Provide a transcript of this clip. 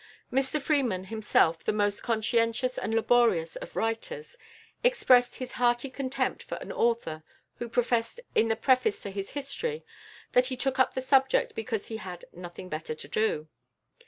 Mr Freeman, himself the most conscientious and laborious of writers, expressed his hearty contempt for an author who professed in the preface to his history that he took up the subject because he had "nothing better to do."